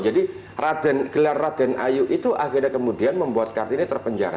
jadi gelar raden ayu itu akhirnya kemudian membuat kartini terpenjara